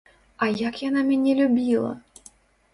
А як яна мяне любіла!